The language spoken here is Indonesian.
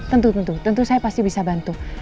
tentu tentu tentu saya pasti bisa bantu